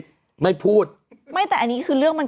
ขออีกทีอ่านอีกที